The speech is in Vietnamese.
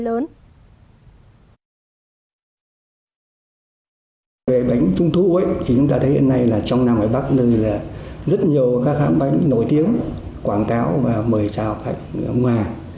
về bánh trung thu thì chúng ta thấy hiện nay là trong nam ngoại bắc nơi là rất nhiều các hãng bánh nổi tiếng quảng cáo và mời trào hoạch ngoài